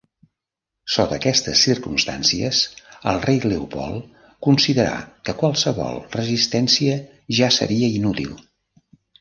Sota aquestes circumstàncies, el rei Leopold considerà que qualsevol resistència ja seria inútil.